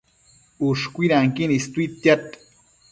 Ushcuidanquin istuidtia